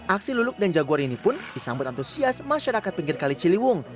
aksi luluk dan jaguar ini pun disambut antusias masyarakat pinggir kaliciliwung